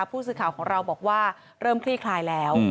ผู้สื่อข่าวของเราบอกว่าเริ่มคลี่คลายแล้ว